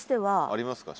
ありますか？